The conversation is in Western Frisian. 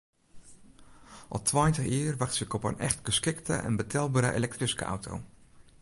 Al tweintich jier wachtsje ik op in echt geskikte en betelbere elektryske auto.